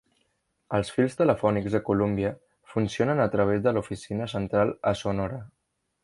Els fils telefònics a Columbia funcionen a través de l'oficina central a Sonora.